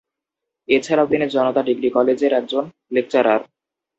এছাড়াও তিনি Janata degree college এর একজন লেকচারার।